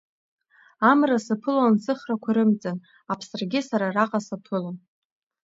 Амра саԥылон сыхрақәа рымҵан, аԥсрагьы сара араҟа саԥылон.